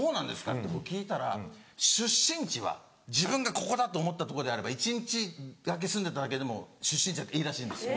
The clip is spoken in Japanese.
って聞いたら出身地は自分がここだ！と思ったとこであれば一日だけ住んでただけでも出身地だっていいらしいんです。